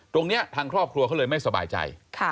ตรงนี้ทางครอบครัวเขาเลยไม่สบายใจ